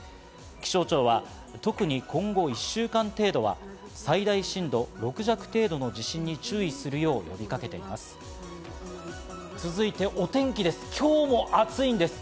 気象庁は特に今後１週間程度は最大震度６弱程度の地震に注意するよう呼びかけています。